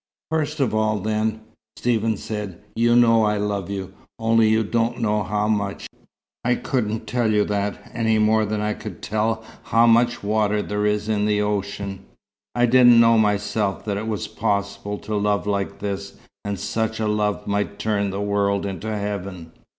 "First of all, then," Stephen said, "you know I love you. Only you don't know how much. I couldn't tell you that, any more than I could tell how much water there is in the ocean. I didn't know myself that it was possible to love like this, and such a love might turn the world into heaven.